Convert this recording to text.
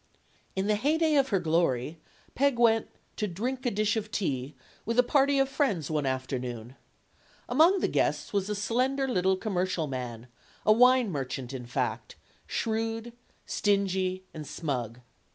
In the heyday of her glory, Peg went "to drink a dish of tea" with a party of friends one afternoon. Among the guests was a slender little commercial man, a wine merchant, in fact; shrewd, stingy, and smug.